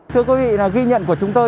thưa quý vị ghi nhận của chúng tôi